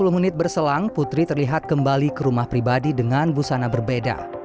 sepuluh menit berselang putri terlihat kembali ke rumah pribadi dengan busana berbeda